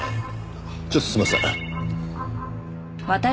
ちょっとすいません。